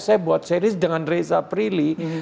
saya buat series dengan reza prilly